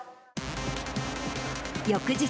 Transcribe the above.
翌日、